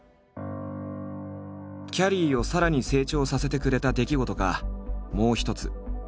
きゃりーをさらに成長させてくれた出来事がもう一つ。